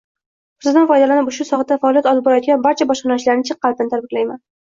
Fursatdan foydalanib, ushbu sohada faoliyat olib borayotgan barcha bojxonachilarni chin qalbdan tabriklayman.